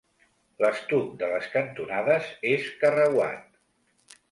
L'estuc de les cantonades és carreuat.